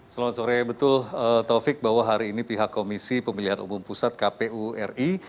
selamat sore betul taufik bahwa hari ini pihak komisi pemilihan umum pusat kpu ri